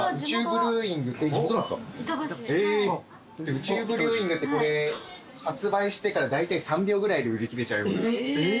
うちゅうブルーイングってこれ発売してからだいたい３秒ぐらいで売り切れちゃう。